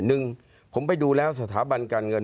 หนึ่งผมไปดูแล้วสถาบันการเงิน